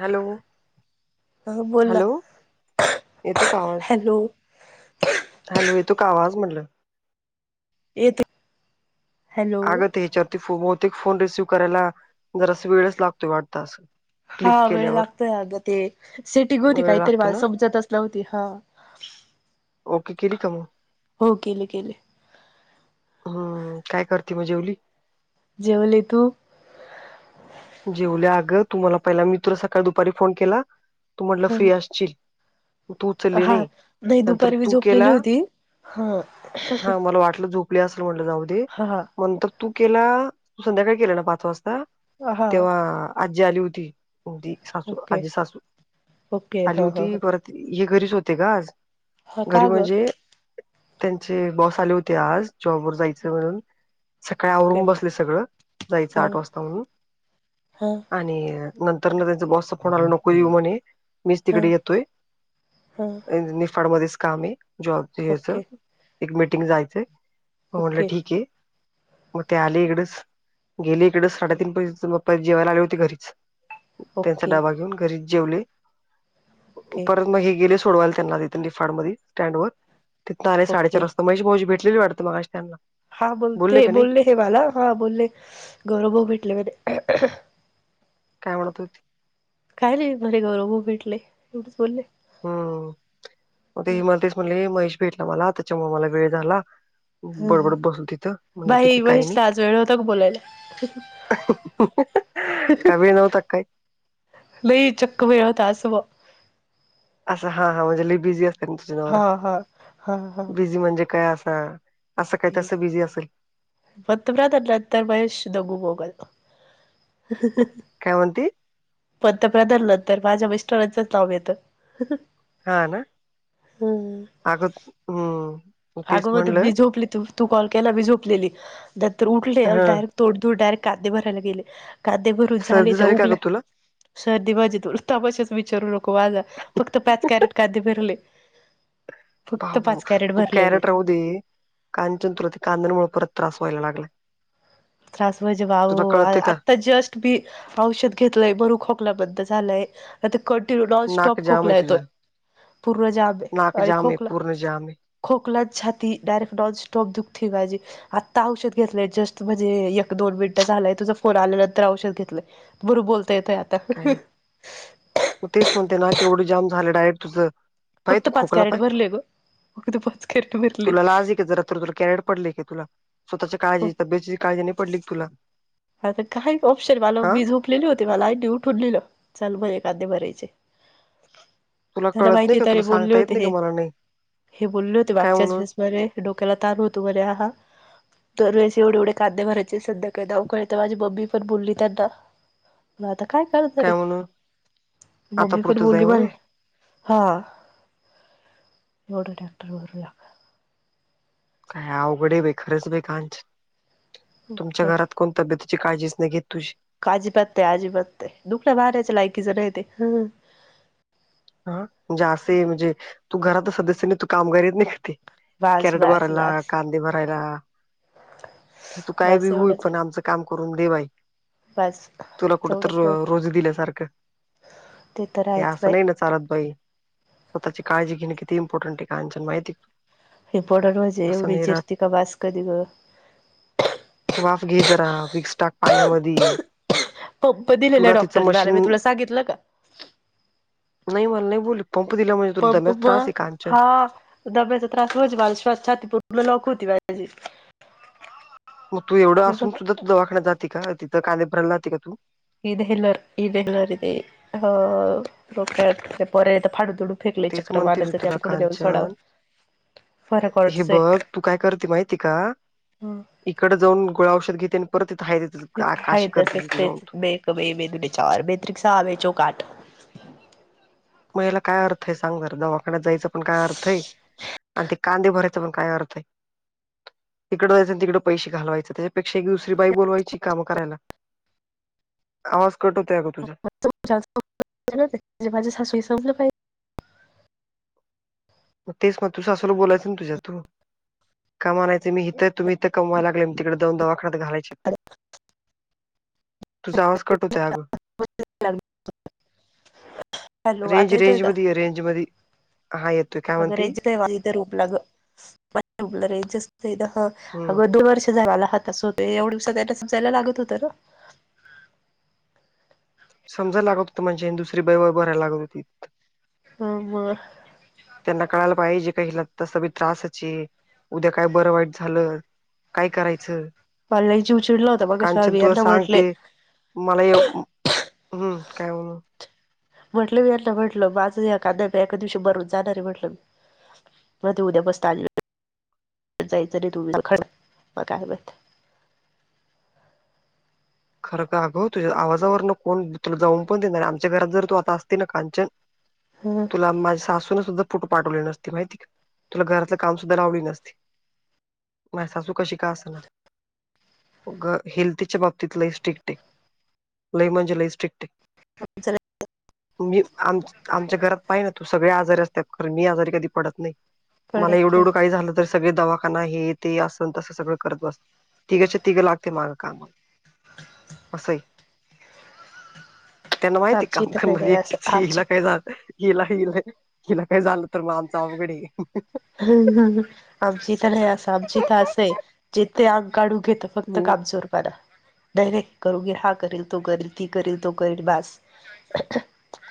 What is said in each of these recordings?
Hello अ बोलला hello येतो का आवाज? हॅलो हॅलो येतो का आवाज म्हटलं येतो हॅलो अग ते ह्याच्यावरती बहुतेक फोन रिसीव्ह करायला जरास वेळच लागतोय वाटत असं हा क्लिक वेळ केल्यावर लागतोय अगं ते सेटिंग होती वेळ काहीतरी लागतो मला ना समजतच जाऊ दे, हा ओके केली का मग हो केली केली हम्म काय करते म जेवली जेवली तु? जेवली अगं तुम्हाला पहिला मी सकाळी दुपारी फोन केला तू म्हटलं फ्री असशील म तू उचलली हा नाही नाही नंतर दुपारी मी तू झोपलेली केला होती हा हा, मला वाटलं झोपली असेल म्हणलं जाऊदे हा म नंतर तू केला संध्याकाळी केला ना पाच वाजता हा तेव्हा आजी आली होती. ती सासू ओके आजी सासू ओके आली हा हा होती ह परत हे घरीच होते का आज हा का घरी ग म्हणजे त्यांचे बॉस आले होते आज जॉबवर जाय सगळ सकाळी ओके आवरून बसले सगळ जायच हा आठ वाजता म्हणून हा आणि नंतर ना त्यांचा बॉसचा फोन आला नको येऊ म्हणे मीच हा तिकडे येतोय हा निफाड मध्येच कामय जॉबच हेच ओके एक मीटिंग जायचंय मग म्हटलं ओके ठीक आहे मग ते आले इकडच गेले इकडच ओके साडेतीन पर्यंत [unintelligible] जेवायला आले होते घरीच त्यांचा डाबा ओके घेऊन घरीच जेवले परत मग हे गेले - सोडवायला त्यांना नािफाड मध्ये स्टँड वर तिथंन आले ओके साडेचार वाजता महेश भावजी भेट कलेली वाटतं मगाशी त्यांनला हा बोलते बोलले हे मला हा बोलले गौरव भऊ भेटले म्हणे काय म्हणत होती काय नही म्हणे गौरव भऊ भेटले एवढंच बोलले हम्म मग ते मला तेच म्हणले महेश भेटला मला त्याच्यामुळे मला वेळ झाला ह ह बडबड बसल तिथं म्हणलं बाई ठीके काही नाही महेशला आज वेळ होता का बोलायला कमी नव्हत काय [unintelligible] असं हा हा म्हणजे लई बिझी असते ना तु झा नवरा हा हा हा हा बिझी म्हणजे काय असा असं काही ते तसं बिझी असेल [unintelligible] काय म्हंती पंतप्रधान ल तर माझ्या मिस्टरांचंच नाव येतं हा ना हम्म आगत हम्म तेच अगं मग म्हणलं बी झोपली त तू कॉल केला बी झोपलेली नाही तर उठले हा डायरेक्ट तोंड धुड डायरेक्ट कांदे भरायला गेले कांदे भरून झाले सर्दी झाली तर का ग उघल तुला सर्दी [unintelligible] बिचारून नोको वाजा फक्त पाच कॅरेट कांदे भरले फक्त बाबू पाच कॅरेट तू भरले मी कॅरेट राहु दे कांचन तुला ते कांद्यां मुळे परत त्रास व्हायला लागलाय त्रास म्हेजे बा वो तुला कळते का आता जस्ट मी औषध घेतलंय बरू खोकला बद्ध झालंय आता कंटीन्यु लॉज स नाक टॉप जाम आहे खोकला येतोय तुझं पूर्ण जामेच नाक अर जाम आहे खोकलं पूर्ण जाम आहे खोकलान छाती डायरेक्ट नॉनस्टॉप दुखते माझी आता औषध घेतलंय जस्ट म्हणजे जे एक दोन मिनटं झालंय तुझा फोन आल्यानंतर औषध घेतलंय बरु बोलता येतय आता काय म तेच म्हणते ना क एवढं जाम झालं डायरेक्ट तुझं पाय फक्त तू पाच खोकला कॅरेट पाय भरले ग फक्त पाच कॅरेट भरले तुला लाज आहे का जरा तर तुला कॅरेट पड तुला स्वतःची काळजी तबेची काळजी नाही पडली तुला आता काय ऑप्शन मला हा वी झोपलेली होती मला आईनी उठ उूनलेलं चल म्हणे कांदे भरायचे तुला त्यांला कळत नाही माहितीय का तर रे तुला बोलले सांगता येत होते नाही का हे मला नाही हे बोलले होते काय म्हणून मागच्याच [unintelligible] बरे डोक्याला ताण होतो बरे हा दरवेळेस एवढे एवढे कांदे भरायचे सध्या काय धा कळत माझी मम्मी पण बोलली त्यांना म आता काय करायच रे आता मम्मी पण पुरतं जाय बोलली म्हणून मला हा एवढं टॅक्टर भरूया काय अवघडे बे खरंच बे का तुमच्या लागा घरात कोण तब्येतीची काळजीच नाही घेत तुझी काजी पत्तय आजीबत्तय दुख्या बाऱ्याच्या लायकीच राहेत हा म्हणजे असे म्हणजे तू घरात सदस्यनी तू काम करीेत नाही का ते बास कॅरेट बास भरायला बास कांदे भरायला तू काय बी बास होई एवढंच पण आमच काम करून देवाय बास तुला कुठ तर तेवढंच रोज दिल्या सारखं ते तर हे आहेच असं बाई नाही न सारद बाई स्वतःची काळजी घेणे किती इम्पॉर्टंट आहे कांचन माहितीय काय इंपॉटंट म्हजे एवढी जिरती का भास कधी ग वाफ घे जरा विक्स टाक पाण्यामध्ये पंप दिलेला आहे तुला तिचं डॉक्टरनी मला मी मशीन तुला सांगितलं का नाही मला नाही बोलली पंप दिला म्हणजे तुला दम्याच त्रास आहे कांचन ब्याचा त्रास होयचझ स्छी पूर्ण लॉक होती बा मग तू एवढं असून सुद्धा तू दवाख्याना जे का तिथं काने भरायला जाते का तू इ हेल इ हेलरे अह रोप पर येत पाड दुड फेकले तेच म्हणते मी चक्रवाारचे तुला त्यार कुठ देऊ डावर कांचन हे बघ तू काय करते माहिती का इकडे जाऊ गोळा औषध घेते आणि परत इथे आहे. ह असच बे बे ब बेच्यावर ब तरीिक सहा बेचो काठ मग याला काय अर्थ आहे सांगार दवाख्या जायचं पण काय अर्थ आहे. आणि ते कांदे भरायचं पण काय अर्थ तिकडं जायचं आणि तिकडे पैसे घालवायचें त्याच्यापेक्षा एक दुसरी बाई बोलवायची काम करायला. आवाज कट होते आहे गो तुझ्या माझ्या सासू संजलं पाहिजे तेच म त सासूला बोलायचं ना तुझ्या तू कमायं मी इथं तुम् इथं कमावाय लागले तिकडे दन दवाखडत घालायचे तुझा आवाज कट होतय अगं. [unintelligible] हॅलो रेंज आता येतोय रेंज का? म रेंज म हा येत अगर रेंज काही इ रूपलाग रूपला रेंज ह हम्म अगं दोर्ष झाला ह त होत एवढ्या दिवसात त्याला समजायला लागत होत ना समजय लागत होतंणे दुसरी बाैबा भरायला लागत होती हम त्यांना कळायला पाहिजे काहीला तसा त्रासची उद्या काय बरं वाईट झालं काय करायचं पल्याची उ चचडला होता मग कांचन तुला बियांना म्हटले सांगते मला हम्म काय म्होल म्हटलं मी यांना म्हटलं माझं या कांदा्या म एका दिवशी मरून जाणार आहे म्हटलं मी. मग ते उद्या बसत जायचं र तुम मग काय ब खरं का अगं तुझ्या आवाजावर ना कोण तुला जाऊन पण देणार आमच्या घरात जर तू आता असती ना कांचन [unintelligible] हम तुला माझ्या सासूनं सुद्धा फोटो पाठवले नसते माहिती का तुला घरातलं काम सुद्धा लावली नसते. माझी सासू कशी का असना ग हेल्थच्या बाबती त लई सटिक टे लई म्हणजे लईस्टिक टे मी आम आमच्या घरात पाहि ना तू सगळे आजारी असत मी आजारी कधी पडत नाही मला एवढं पडत नाही एवढं काही झालं तर सगळे दवाखाना हे ते अस तसं सगळं करत बसत तिघेच्या तिघं लागते मागं काम असय त्यांना माहिती आमच्या काम इथं नाही करणारी बाई एकटी असं च हला आमच्या काय जात गेला गला गेला काय झालं तर मग आमच अवघड आमची इथ नाही असं आमची तर असंय जिथे आंग काढू घेत फक्त काम चोरपाला नाही नाही करू घी हा करील तो करील ती करेील तो करील बस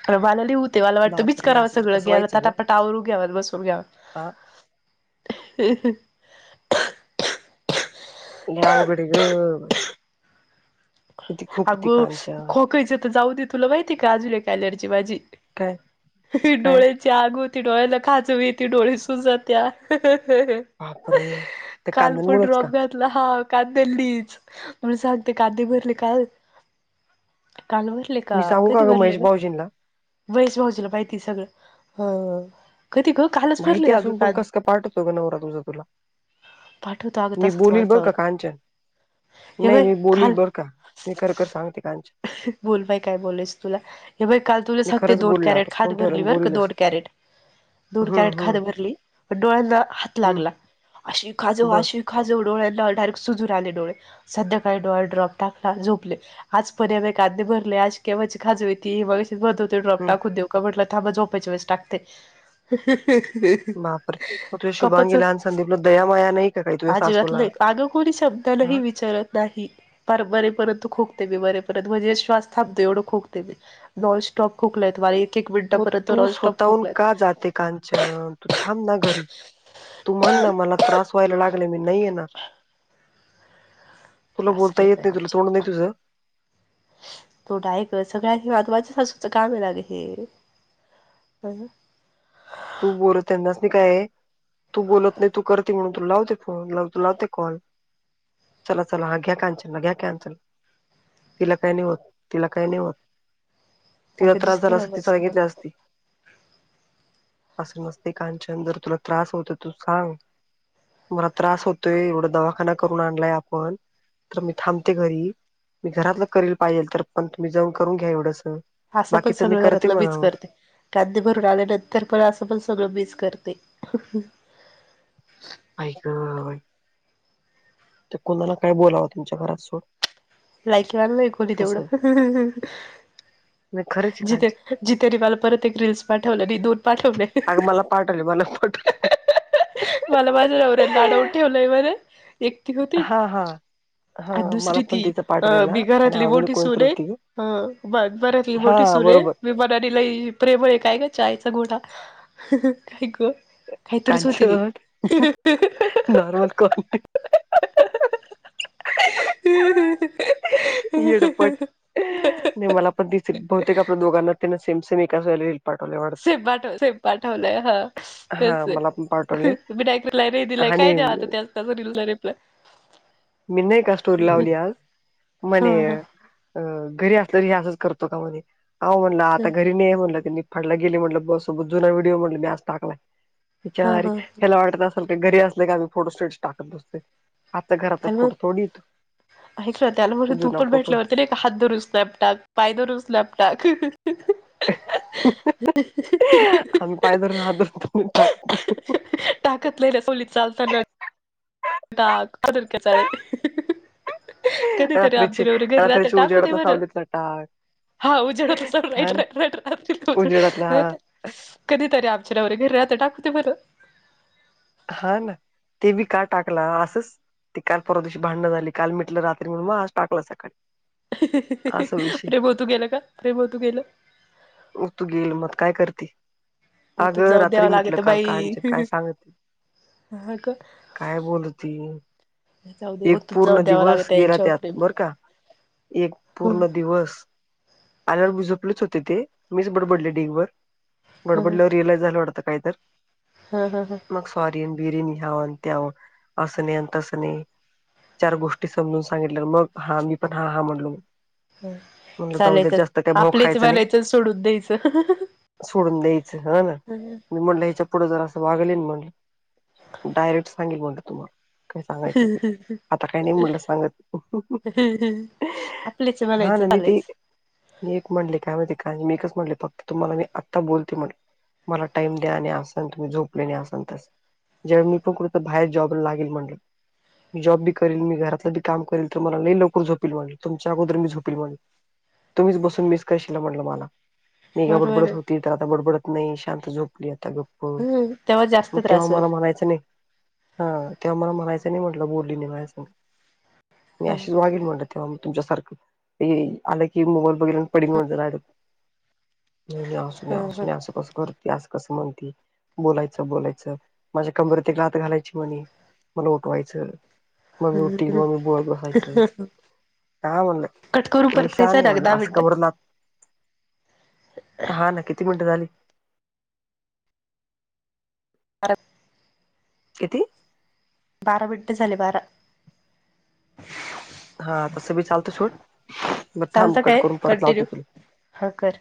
रवालली उ [unintelligible] ते म्हाला वाटत बीच बापरे असं तर करावंगळ कसं ग्यायला तटापाटावरू घ्यावात बसून घ्यावा ह ह लई अवघड ग बाई अगो कांचन खोकायच तर जाऊ दे तुला माहिती का बाजूला कारल्यारची भाजी काय हे काय डोळे ज आग होती डोळ्याला खाजवी य ती डोळे सुूजात्या बापरे त्या काल पण कांद्यांमुळेच का ड्रॉप घातला ह काांदली म्हणून सांगते काांदे भर का काल भरले का मी सांगू कधी ग भरले महेश का भाऊजींना वैस भाऊजलं माहिती सगळं ह कती ग कालच माहिती भरले अगं असून पण कस कांदे का पाठतो ग नवरा तुमझ तुला पाठवतो अगं मी तसाच बोलील बोल का माणसावर काांचन हे नाही बाई मी बोलल काल बरं का मी खरखर सांगते काच बोल बाई काय बोलायच तुला हे बाई काल तुला मी सांगते खरंच दोन बोलल कॅरेट आता खात फोन ठेवला भरली आणि बर बोलीलच दोन कॅरेट दोन हम्म कॅरेट खाद हम्म भरली प डोळ्यांना हात हम्म लागला अशी काजू बर अशी तूा डोळे डायरेट सुजून आले डोळेध्या काही डोळेडॉप टाकला झोपले आज परयम काांदने भरले आज केव्हाची खजू होेतती मग भ त ड्रॉप हम्म टाकू देऊ का म्हटला थांबा झोपायच्या वेळेस टाकते बापर मग तुझ्या शुभांगी लहान संदीपला दयामया नाही का काही तुझ्या सासूला आजिबातलं कागं कोणी शब्दलाही हा विचारत नाही पर बरेपर्यंत खोकते मी बरेपर्यंत म्हणजे श्वास थांबतो एवढं खोकते मी नॉन स्टॉप खुकला आहेत वारी एक एक मग मिनिटापर्यंत तू नॉनस्टॉप स्वतःहून खोकलायत. का जाते कांच थांब ना घरी तुम्हाण ना मला त्रास व्हायला लागले मी नाही येणार तुला बोलता येत नाही तुला तोंड नाही तुझं तोडाय कर सगळ्यां हे माधवाच्या सासूच काम लाग हे हम तू बोल त्यांनाच नाही काय तू बोलत नाही तू करते म्हणून तू लावते फोन लाव तू लावते कॉल चला चला हा घ्या कानचल ना घ्या कनचल तिला काय नाही होत तिला काय नाही होत तिला अगं त्रास दिसत झाला अस ना मग तिचा सागितल्या सगळं असती असं मस्त काच्यान जर तुला त्रास होत तू सांग मला त्रास होतोय एवढा दवाखाना करून आणलाय आपण तर मी थांबते घरी मी घरातलं करेल पाहिेल तर पण तुम्ही जाऊन करून घ्या एवढंस असं पण बाकीच मी सगळं करते घरातलं बीज म्हणावं करते कांदे भरून आल्यानंतर पण असं पण सगळं मीस करते ऐक ते कोणाला काय बोलावं तुमच्या घरात सोड लायकीवान नाही खोली तेवढं [unintelligible] म जिथे खरंचिकायच जितेने मला परत एक रील्स पाठवलं नाही दोन अग पाठवले. मला पाठवले मला पाठवले [inaudible] मला नवऱ्यानी लाडाऊन ठेवलंय म्हणे एकती होती. हा हा हा अन मला दुसरी पण ती तिचा अ मी पाठवलेला आणि घरातली अजून मोठी सून कोणतरी ये होती अ बघ बरती मी मोठी हा सून ये. बरोबर मी म्हणाली लय प्रेम आहे काय का चायचा घोडा काय ग? काहीतरीच होती ती कांचन [unintelligible] नॉर्मल कॉल [unintelligible] हह ह येडपट नाही मला पण दिस बहुतेक आपल्या दोघांना त्यांना सेमसेम विकासयला से पाठव से पाठवलाय हा तेच हा मला पण आहे पाठवले तुम्ही ाकलाय रे दिलाय काय आणि द्या आता त्या त्याचा दिला रिप्लाय मीन नाही का स्टोरी लावली आज हा म्हणे हा. अ घरी असलो वर हे असच करतो का म्हध्ये. होह म्हटलं आता घरी नाही आहे म्हणलं त्यांनी फाडला गेली म्हटलं बस सोबत जुना व्हिडिओ म्हटलं मी आज टाकलाय. हा बिचारी! हा ह्याला वाटत असल का घरी असल का आम्ही फोटो स्टेटस टाकत बसतय. आता घरातला फोट थोडीये तो ऐकलं त्याला म तूपण भेटल्यावरती एक हात धरूस नाही. टाक पाय धरून स्नॅप टाक. आम्ही पायधरून हात भरतो म्हणून टाक. टाकत नाही न सोलीत चालत ना टाक अजून कर चाळे कधीतरी रात्रीचे आमचे नवरे घरी राहतात रात्रीच्या टाकू दे उजेडातला म्हणा. सावलीतला टाक हा उजडला स हा राईट ना राईट राईट रात्रीला उजड उजेडातला हो हा कधीतरी आमचे नवरे घरी राहतात टाकू दे म्हणा. हा ना ते बी का टाकला? असच ती काल परवा दिवशी भांडण झाली काल मिटलं रात्री म्हणून मग आज टाकलं सकाळी. असा विषय प्रेम उतू गेलं का? प्रेम उतू गेलं? उतू गेलं मग काय करती अग ओतून जाऊ रात्री द्यावं मिटलं लागत काल बाई काच्या काय सांग हा का? काय बोलती जाऊ दे एक ओतून जाऊ पूर्ण द्यावं दिवस लागत गेला यांच्यावर त्यात प्रेम बरं का? एक पूर्ण दिवस आल्यावर भी झोपलेच होते ते. मीच बडबडली ढीग भर ह बडबडल्यावर रिअलाइज झालं वाटतं काय तर? हा हा हा मग सॉरीन अन बिरीन ह्या अन त्याव अस नाही अन तस नाही. चार गोष्टी समजून सांगितल्या मग हा मी पण हा हा म्हणलो. ह म्हणलं जाऊ द्या चालायचंच जास्त काय भाव आपलेच खायचा नाही म्हणायचं आणि सोडून द्यायचं. सोडून द्यायचं हा ना मी म्हटलं याचं पू पुढं जर असं वागलेल म्हण डायरेक्ट सांगेल म्हणलं तुला. हम्म हम आता काही नाही म्हणलं सांगत आपलेच हा म्हणायचं न मी ते चालायच मी एक म्हणले काय माहिती काय मी एकच म्हणले फक्त तुम्हाला मी आत्ता बोलते म्हटलं. मला टाईम द्या आणि अस तुम्ही झोपलेनी अस तस जेव्हा मी [unintelligible] बाहेर जॉबला लागेल म्हणलं. मी जॉबी बी करील मी घरातले बी काम करील तर मला लय लवकर झोप मले तुमच्या अगोदर मी झोपील म्हल तुम्हीच बसून मिस क करशील म्हटलं मला. मेघा बरोबर बडबडत आहे होती आता बडबडत नाही शांत झोपली आता ग हम्म तेव्हा जास्त त्रास होईल. बोलायचं नाही. हा तेव्हा मला म्हणायचं नाही म्हटलं बोलली नाही मयच मी ह अशीच वागेल म्हटलं ह मग तुमच्यासारखं आलं की मोबाईल बगैर आणि पडीण वाटलं ह नाहीनाही असं कसं करती असं कसं म्हणते बोलायचं बोलायचं माझ्या कमरतलाात घालायची म्हणे मला उठवायचं मममी उ टी मममी बवा बो खायचे काय म्हणलं कट करू परत लशा कायच नाही ना म्हणलं दहा असं मिनटं कबरलात हा ना किती मिनटं झाली अारब किती? बारा मिनिटे झाले बारा. हा तसं बी चालतं छोट मग थांब चालतं कट काय करून परत कंटिन्यू लावतो तुला. हा कर.